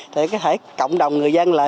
thì có thể cộng đồng người dân lại